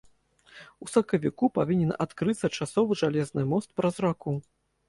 У сакавіку павінен адкрыцца часовы жалезны мост праз раку.